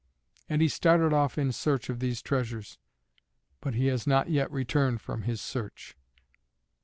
And he started off in search of these treasures. But he has not yet returned from his search.